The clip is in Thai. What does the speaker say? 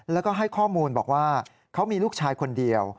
แล้วก็ให้ข้อมูลบอกว่าเขามีลูกชายคนเดียว